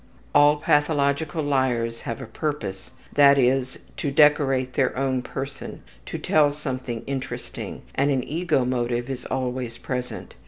All pathological liars have a purpose, i.e., to decorate their own person, to tell something interesting, and an ego motive is always present.